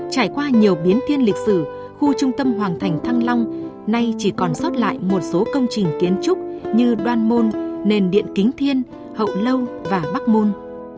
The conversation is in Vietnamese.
trải qua nhiều biến thiên lịch sử khu trung tâm hoàng thành thăng long nay chỉ còn sót lại một số công trình kiến trúc như đoan môn nền điện kính thiên hậu lâu và bắc môn